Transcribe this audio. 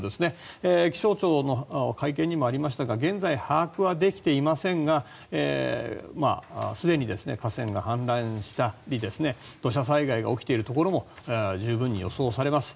気象庁の会見にもありましたが現在、把握はできていませんがすでに河川が氾濫したり土砂災害が起きているところも十分に予想されます。